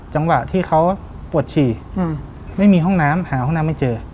จังหวะที่เขาปวดฉี่ไม่มีห้องน้ำหาห้องน้ำไม่เจอ